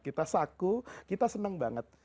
kita saku kita seneng banget